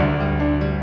ate bisa menikah